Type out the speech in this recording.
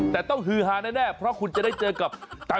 แต่ต้องฮือฮาแน่เพราะคุณจะได้เจอกับตา